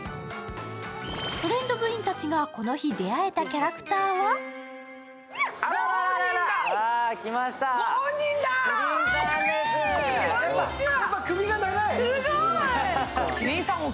トレンド部員たちが、この日出会えたキャラクターは？きました、きりんさんです。